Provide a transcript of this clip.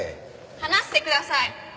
離してください！